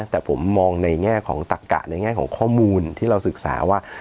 แต่ผมมองในแง่ของตักกะในแง่ของข้อมูลที่เราศึกษาว่า